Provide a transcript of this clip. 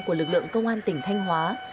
của lực lượng công an tỉnh thanh hóa